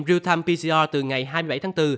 real time pcr từ ngày hai mươi bảy tháng bốn